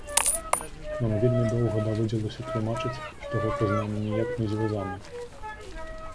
Нам вельмі доўга даводзілася тлумачыць, што гэта з намі ніяк не звязана.